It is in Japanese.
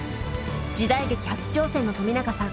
時代劇初挑戦の冨永さん。